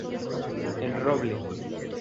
El Roble.